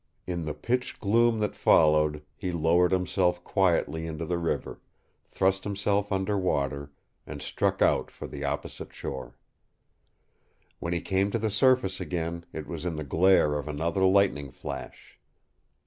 In the pitch gloom that followed he lowered himself quietly into the river, thrust himself under water, and struck out for the opposite shore. When he came to the surface again it was in the glare of another lightning flash.